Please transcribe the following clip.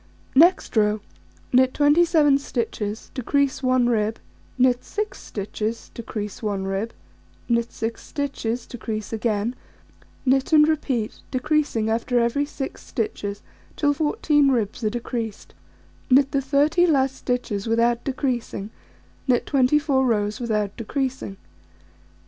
Next row: Knit 27 stitches, decrease 1 rib; knit 6 stitches, decrease 1 rib; knit 6 stitches, decrease again; knit and repeat, decreasing after every 6 stitches, till 14 ribs are decreased; knit the 30 last stitches without decreasing; knit 24 rows without decreasing.